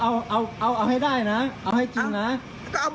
เอาเอาให้ได้นะเอาให้จริงนะ